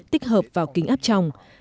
tích hợp vào kính áp tròng